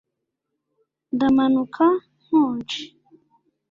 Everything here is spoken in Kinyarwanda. Ndamanuka nkonje